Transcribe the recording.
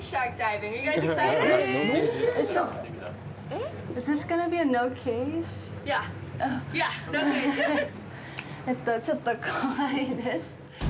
えっと、ちょっと怖いです。